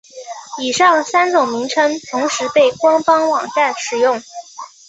以上三种名称同时被官方网站使用。